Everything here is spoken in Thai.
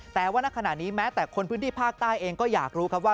แต่ว่าณขณะนี้แม้แต่คนพื้นที่ภาคใต้เองก็อยากรู้ครับว่า